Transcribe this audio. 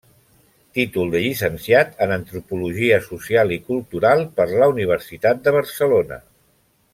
Títol de Llicenciat en Antropologia Social i Cultural per la Universitat de Barcelona.